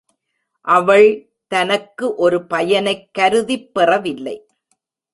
அவள் தனக்கு ஒரு பயனைக் கருதிப் பெறவில்லை.